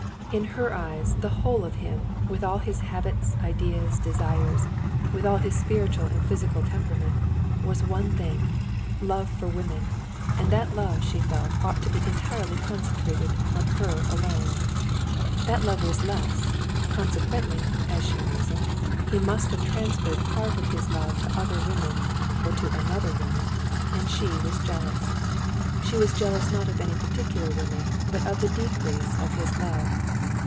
In her eyes the whole of him, with all his habits, ideas, desires, with all his spiritual and physical temperament, was one thing—love for women, and that love, she felt, ought to be entirely concentrated on her alone. That love was less; consequently, as she reasoned, he must have transferred part of his love to other women or to another woman—and she was jealous. She was jealous not of any particular woman but of the decrease of his love.